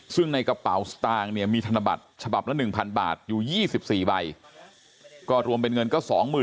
ซึ่งในกระเป๋าสตางค์เนี่ยมีธนบัตรฉบับละ๑๐๐บาทอยู่๒๔ใบก็รวมเป็นเงินก็๒๐๐๐